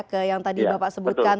ke yang tadi bapak sebutkan